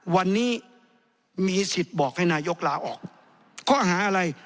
วันนี้มีสิทธิ์บอกให้นายกลาออกข้อหาอะไร